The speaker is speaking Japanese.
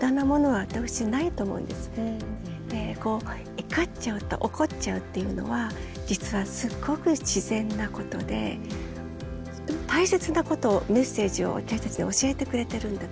いかっちゃうとおこっちゃうっていうのは実はすっごく自然なことでとっても大切なことをメッセージを私たちに教えてくれてるんだと思う。